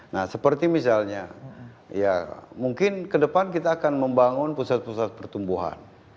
nah seperti misalnya ya mungkin ke depan kita akan membangun pusat pusat pertumbuhan